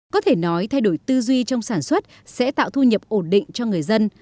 có thể nói thay đổi tư duy trong sản xuất sẽ tạo thu nhập ổn định cho người dân